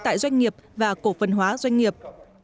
tại doanh nghiệp và cổ phần hóa doanh nghiệp